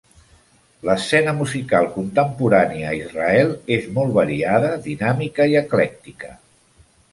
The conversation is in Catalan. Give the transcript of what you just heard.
L'escena musical contemporània a Israel és molt variada, dinàmica i eclèctica.